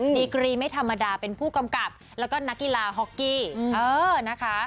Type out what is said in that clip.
ดีกรีไม่ธรรมดาเป็นผู้กำกับแล้วก็นักกีฬาฮอกกี้เออนะคะ